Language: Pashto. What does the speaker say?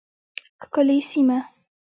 ښکلې سیمه